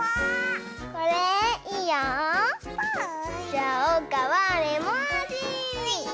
じゃあおうかはレモンあじ！